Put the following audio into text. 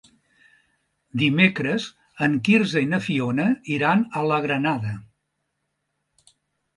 Dimecres en Quirze i na Fiona iran a la Granada.